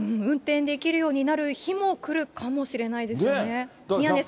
運転できるようになる日も来るかもしれないでしょうね。